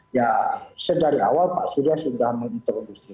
ya saya dari awal pak surya sudah menginterduksi itu